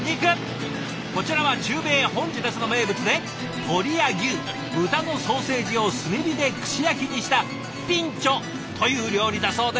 こちらは中米ホンジュラスの名物で鶏や牛豚のソーセージを炭火で串焼きにしたピンチョという料理だそうです。